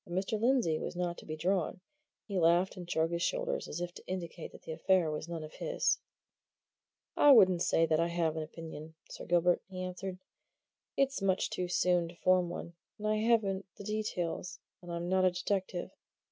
But Mr. Lindsey was not to be drawn. He laughed and shrugged his shoulders, as if to indicate that the affair was none of his. "I wouldn't say that I have an opinion, Sir Gilbert," he answered. "It's much too soon to form one, and I haven't the details, and I'm not a detective.